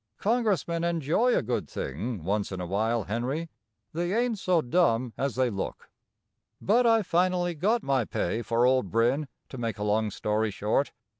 Congressmen enjoy a good thing once in a while, Henry. They ain't so dumb as they look. But I finally got my pay for old Brin, to make a long story short.